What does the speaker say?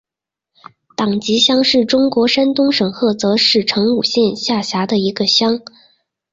党集乡是中国山东省菏泽市成武县下辖的一个乡。